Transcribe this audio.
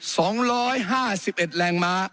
สองร้อยห้าสิบเอ็ดแรงม้า